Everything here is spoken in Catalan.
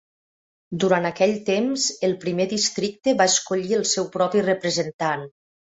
Durant aquell temps, el primer districte va escollir el seu propi representant.